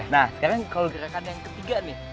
nah sekarang kalau gerakan yang ketiga nih